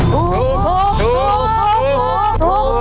ถูกถูกถูก